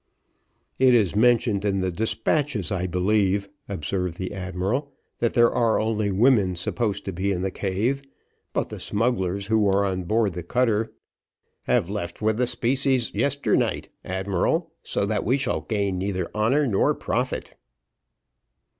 "It is mentioned in the despatches, I believe," observed the admiral, "that there are only women supposed to be in the cave; but the smugglers who were on board the cutter " "Have left with their specie yesternight, admiral; so that we shall gain neither honour nor profit."